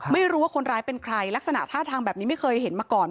ไม่รู้ว่าคนร้ายเป็นใครลักษณะท่าทางแบบนี้ไม่เคยเห็นมาก่อน